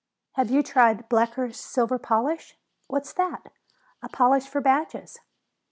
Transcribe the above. "Have you tried Blecker's Silver Polish?" "What's that?" "A polish for badges."